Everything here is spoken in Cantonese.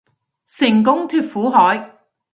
成功脫苦海